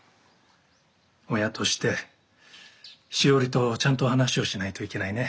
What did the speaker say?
親としてしおりとちゃんと話をしないといけないね。